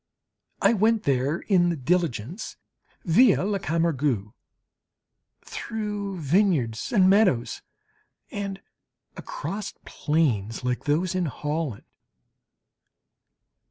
I went there in the diligence, via la Camargue, through vineyards and meadows, and across plains, like those in Holland.